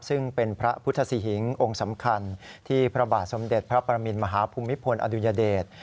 ซึ่งเป็นพระพุทธศรีหิงองค์สำคัญที่พระบาทสมเด็จพระปรมินมหาภูมิพลอดุญเดช